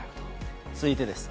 続いてです。